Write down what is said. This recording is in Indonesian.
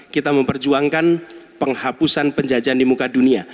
kita memperjuangkan penghapusan penjajahan di muka dunia